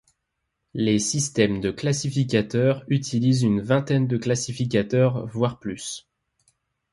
Les systèmes de classificateurs utilisent une vingtaine de classificateurs voire plus.